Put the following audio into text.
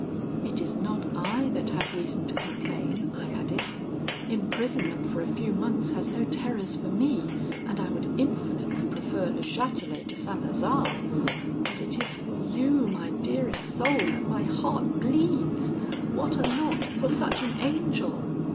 'It is not I that have reason to complain,' I added; 'imprisonment for a few months has no terrors for me, and I would infinitely prefer Le Chatelet to St. Lazare; but it is for you, my dearest soul, that my heart bleeds. What a lot for such an angel!